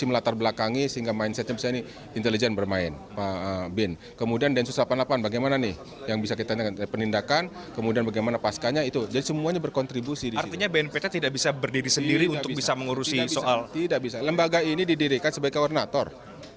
tidak bisa lembaga ini didirikan sebagai koordinator